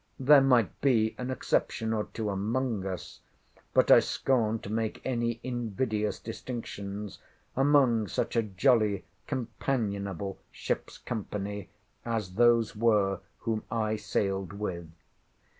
There might be an exception or two among us, but I scorn to make any invidious distinctions among such a jolly, companionable ship's company, as those were whom I sailed with.